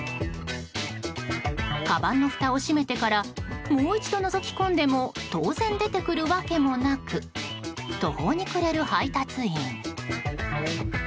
かばんのふたを閉めてからもう一度のぞき込んでも当然、出てくるわけもなく途方に暮れる配達員。